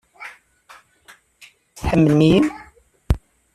Tḥemmlem-iyi?